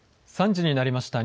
３時になりました。